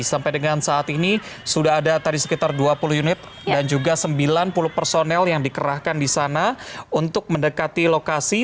sampai dengan saat ini sudah ada tadi sekitar dua puluh unit dan juga sembilan puluh personel yang dikerahkan di sana untuk mendekati lokasi